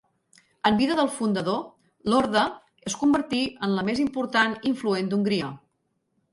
En vida del fundador, l'orde es convertí en la més important i influent d'Hongria.